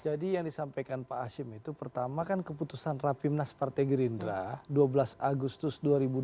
jadi yang disampaikan pak hasim itu pertama kan keputusan rapimnas partai gerindra dua belas agustus dua ribu dua puluh dua